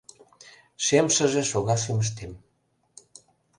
Шем шыже шога шӱмыштем.